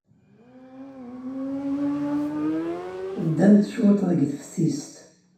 Ddant cwiṭ deg teftist.